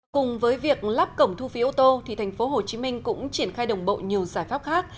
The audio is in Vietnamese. cùng với việc lắp cổng thu phí ô tô thành phố hồ chí minh cũng triển khai đồng bộ nhiều giải pháp khác